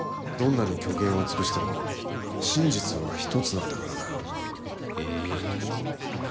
どんなに虚言を尽くしても真実は１つなんだからな。